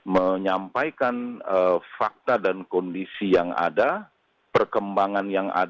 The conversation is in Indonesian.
menyampaikan fakta dan kondisi yang ada perkembangan yang ada